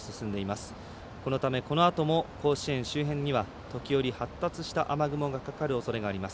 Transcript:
そのため、このあとも甲子園周辺には時折、発達した雨雲がかかるおそれがあります。